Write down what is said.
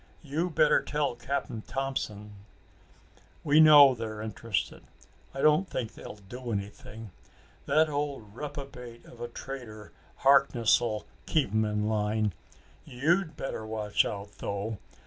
You better tell Cap'n Thompson." "We know they're interested. I don't think they'll do anything. That old reprobate of a Trader Harkness'll keep 'em in line. You'd better watch out, though.